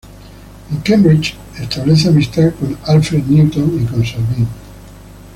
En Cambridge establece amistad con Alfred Newton y con Salvin.